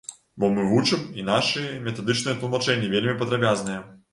Бо мы вучым, і нашы метадычныя тлумачэнні вельмі падрабязныя.